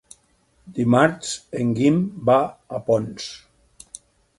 Dimarts en Guim va a Ponts.